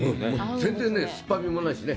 全然、酸っぱみも、ないしね。